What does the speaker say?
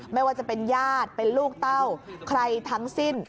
ไม่ว่าจะเป็นญาติเป็นลูกเต้าใครทั้งสิ้น